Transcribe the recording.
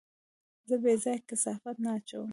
زه بېځايه کثافات نه اچوم.